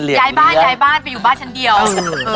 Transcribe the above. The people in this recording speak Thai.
ย้ายบ้านไปอยู่บ้านเฉพาะเดียว